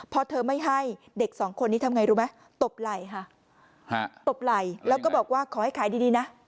พอเธอไม่ให้เด็กสองคนนี้ทำไงรู้ไหมตบไหล่ค่ะตบไหล่แล้วก็บอกว่าขอให้ขายดีนะ